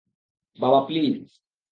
বাবা, প্লিজ!